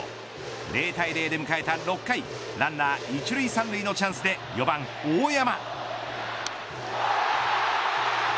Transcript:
０対０で迎えた６回ランナー一塁三塁のチャンスで４番、大山。